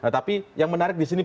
tapi yang menarik disini